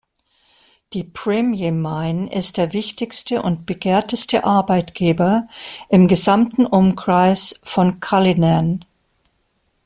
Die "Premier Mine" ist der wichtigste und begehrteste Arbeitgeber im gesamten Umkreis von "Cullinan".